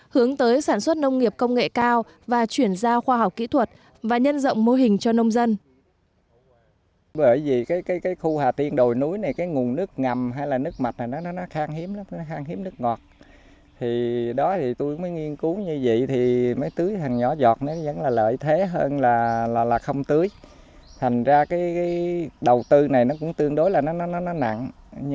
hướng tới sản xuất nông nghiệp công nghệ cao và chuyển giao khoa học kỹ thuật và nhân rộng mô hình cho nông dân